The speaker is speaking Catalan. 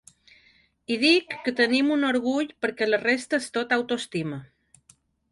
I dic que tenim un orgull perquè la resta és tot autoestima.